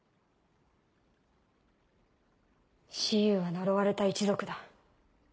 蚩尤は呪われた一族だ。